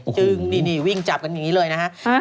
จึงวิ่งจับกันอย่างนี้เลยนะครับ